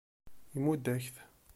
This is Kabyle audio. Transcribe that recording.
Imudd-ak-t.